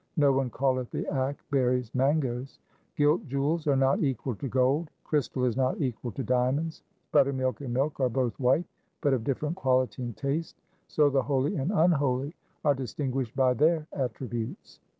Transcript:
No one calleth the akk berries mangoes. Gilt jewels are not equal to gold. Crystal is not equal to 1 XXXIV. 2 xxx. 3 XXXI. 266 THE SIKH RELIGION diamonds. Buttermilk and milk are both white, but of different quality and taste — so the holy and unholy are distinguished by their attributes.